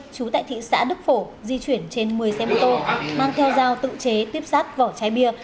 chú tại thị xã đức phổ di chuyển trên một mươi xe mô tô mang theo dao tự chế tiếp sát vỏ chai bia